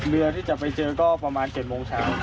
เรือที่จะไปเจอก็ประมาณ๗โมงเช้า